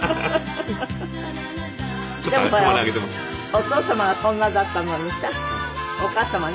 お父様がそんなだったのにさお母様ね。